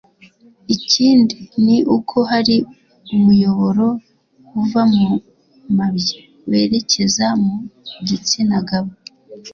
Ikindi ni uko hari umuyoboro uva mu mabya werekeza mu gitsinagabo